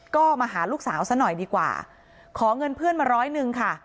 ก็มาหาลูกสาวซะหน่อยดีกว่าขอเงินเพื่อนมาร้อยหนึ่งค่ะ